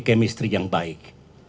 kemistri yang baik